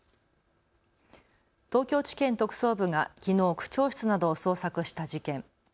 東京地検特捜部がきのう区長室などを捜索した事件。